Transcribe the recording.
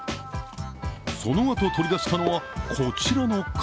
そのあと、取り出したのはこちらの缶。